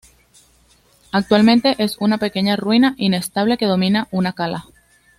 Actualmente es una pequeña ruina inestable que domina una cala.